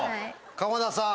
鎌田さん。